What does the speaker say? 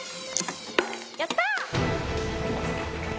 やった。